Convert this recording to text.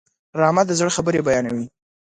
ډرامه د زړه خبرې بیانوي